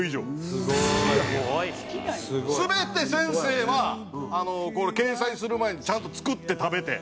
すごい！全て先生は掲載する前にちゃんと作って食べて。